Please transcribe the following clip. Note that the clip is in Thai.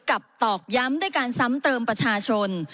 ตอกย้ำด้วยการซ้ำเติมประชาชน